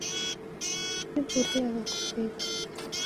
Siw'uriagha kuseka.